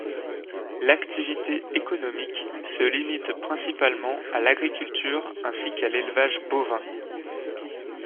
L'activité économique se limite principalement à l'agriculture ainsi qu'à l'élevage bovin.